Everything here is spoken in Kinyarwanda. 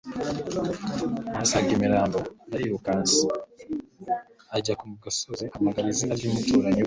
ahasanga imirambo. Yarirukanse ajya ku gasozi ahamagara izina ry'umuturanyi we,